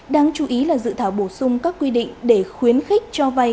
đáng chú ý là dự thảo bổ sung các quy định để khuyến khích cho vay